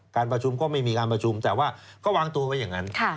การประชุมก็ไม่มีการประชุมแต่ว่าก็วางตัวไว้อย่างนั้น